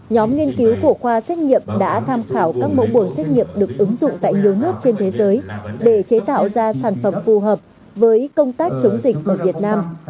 nhóm nghiên cứu của khoa xét nghiệm đã tham khảo các mẫu buồng xét nghiệm được ứng dụng tại nhiều nước trên thế giới để chế tạo ra sản phẩm phù hợp với công tác chống dịch ở việt nam